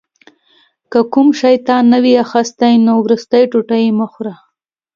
که کوم شی تا نه وي اخیستی نو وروستی ټوټه یې مه خوره.